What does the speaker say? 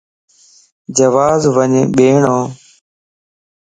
جواز وڃ ٻيڻھو